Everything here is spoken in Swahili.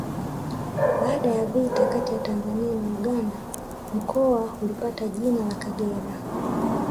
Baada ya vita kati ya Tanzania na Uganda mkoa ulipata jina la Kagera